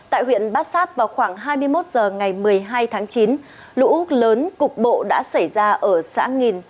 tại huyện bát sát vào khoảng hai mươi một h ngày một mươi hai tháng chín lũ lớn cục bộ đã xảy ra ở xã nghìn